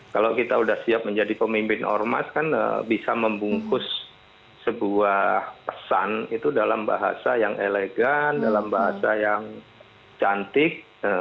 kalau kita sudah siap menjadi pemimpin ormas kan bisa membungkus sebuah pesan itu dalam bahasa yang elegan dalam bahasa yang cantik